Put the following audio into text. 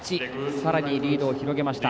さらにリードを広げました。